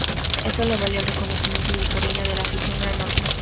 Eso le valió el reconocimiento y el cariño de la afición granota.